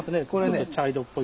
ちょっと茶色っぽい。